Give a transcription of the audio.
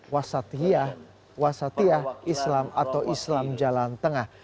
wasatiyah wasatiyah islam atau islam jalan tengah